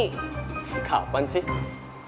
kapan sih kadar percaya diri lo tuh bisa turun